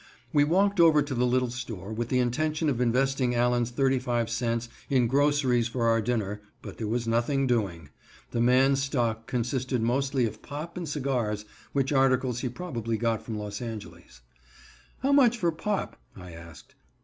We walked over to the little store with the intention of investing Allen's thirty five cents in groceries for our dinner, but there was nothing doing. The man's stock consisted mostly of pop and cigars, which articles he probably got from Los Angeles. "How much for pop?" I asked.